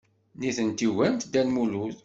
Nitenti ugarent Dda Lmulud.